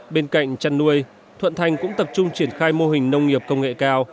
bên cạnh chăn nuôi thuận thành cũng tập trung triển khai mô hình nông nghiệp công nghệ cao